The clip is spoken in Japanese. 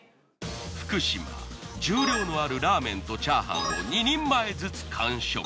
福島重量のあるラーメンとチャーハンを２人前ずつ完食。